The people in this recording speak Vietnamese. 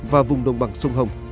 và vùng đồng bằng sông hồng